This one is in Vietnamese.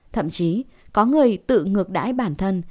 thậm chí có người tự ngược đãi bản thân